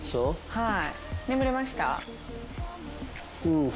はい。